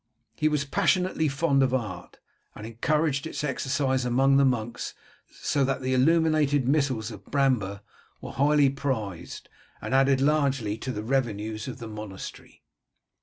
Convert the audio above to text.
He was passionately fond of art, and encouraged its exercise among the monks, so that the illuminated missals of Bramber were highly prized, and added largely to the revenues of the monastery.